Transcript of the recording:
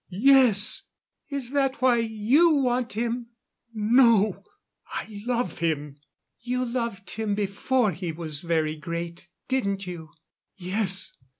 "Yes!" "Is that why you want him?" "No, I love him." "You loved him before he was very great, didn't you?" "Yes.